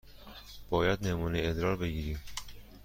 باید نمونه ادرار بگیریم.